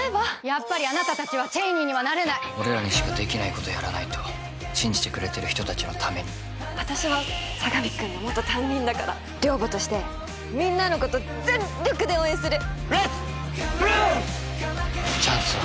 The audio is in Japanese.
・やっぱりあなたたちはＣＨＡＹＮＥＹにはなれない俺らにしかできないことやらないと信じてくれてる人たちのために私は佐神君の元担任だから寮母としてみんなのこと全力で応援する！